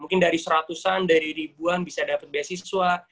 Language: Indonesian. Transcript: mungkin dari seratusan dari ribuan bisa dapat beasiswa